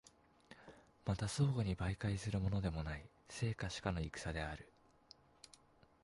また相互に媒介するのでもない、生か死かの戦である。